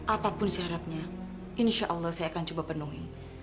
apapun syaratnya insya allah saya akan coba penuhi